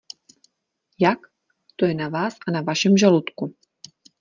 Jak? – to je na Vás a na Vašem žaludku.